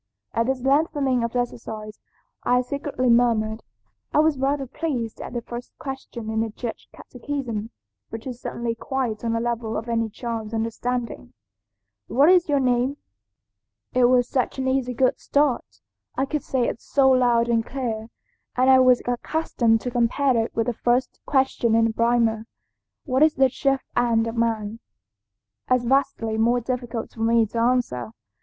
"At this lengthening of exercise I secretly murmured. I was rather pleased at the first question in the Church catechism, which is certainly quite on the level of any child's understanding, 'What is your name?' It was such an easy good start, I could say it so loud and clear, and I was accustomed to compare it with the first question in the Primer, 'What is the chief end of man?' as vastly more difficult for me to answer.